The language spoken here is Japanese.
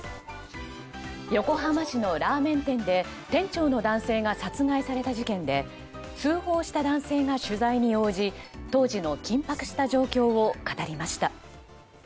横浜市のラーメン店で店長の男性が殺害された事件で通報した男性が取材に応じ当時の緊迫した状況を語りました。